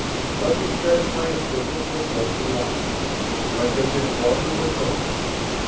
Much of Strett's land surface was molten lava. Much of its water was gone.